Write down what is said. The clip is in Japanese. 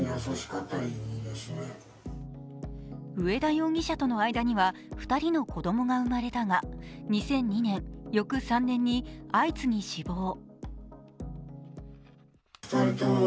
上田容疑者との間には２人の子供が生まれたが２００２年、翌２００３年に相次ぎ死亡。